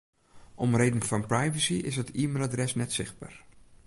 Om reden fan privacy is it e-mailadres net sichtber.